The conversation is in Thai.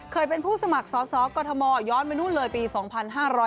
เคยเป็นผู้สมัครสอสอกรทมย้อนไปนู่นเลยปี๒๕๕๙